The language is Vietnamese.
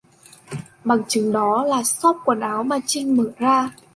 Bằng chứng đó là shop quần áo mà trinhmở ra